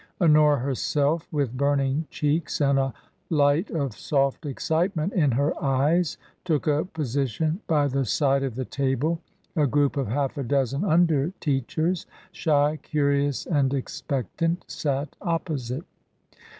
Honora herself, with burning cheeks and a light of soft excitement in her eyes, took a position by the side of the table ; a group of half a dozen under teachers, shy, curious, and expectant, sat opposite.